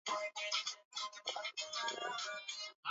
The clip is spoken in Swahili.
Idadi ya wanajeshi wa Jamhuri ya kidemokrasia ya Kongo